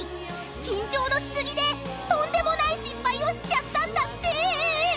［緊張のし過ぎでとんでもない失敗をしちゃったんだって！］